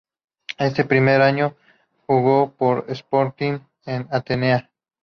Ese primer año jugó para Sporting de Atenas.